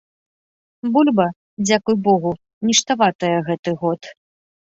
Бульба, дзякуй богу, ніштаватая гэты год.